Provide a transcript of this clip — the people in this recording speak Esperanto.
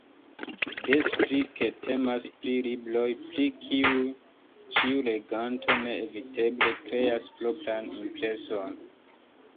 Des pli ke temas pri libroj, pri kiuj ĉiu leganto neeviteble kreas propran impreson.